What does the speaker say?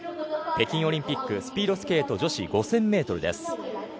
北京オリンピックスピードスケート女子５０００ｍです。